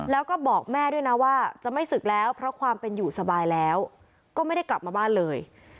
แล้วก็บอกแม่ด้วยนะว่าจะไม่ศึกแล้วเพราะความเป็นอยู่สบายแล้วก็ไม่ได้กลับมาบ้านเลย